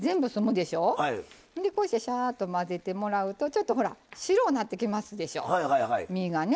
でこうしてシャーッと混ぜてもらうとちょっとほら白うなってきますでしょ身がね。